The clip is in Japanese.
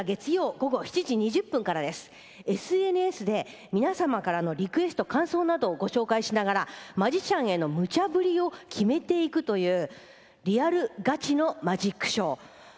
ＳＮＳで皆様からのリクエスト感想などをご紹介しながらマジシャンなどへのむちゃぶりを決めていくというリアルガチのマジックショー。